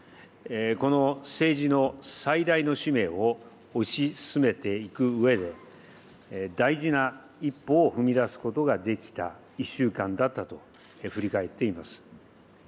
この政治の最大の使命を推し進めていくうえで、大事な一歩を踏み出すことができた１週間だったと振り返っています。